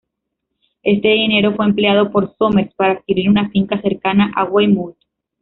Este dinero fue empleado por Somers para adquirir una finca cercana a Weymouth.